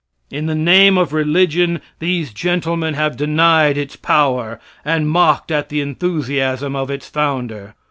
In the name of religion these gentlemen have denied its power and mocked at the enthusiasm of its founder.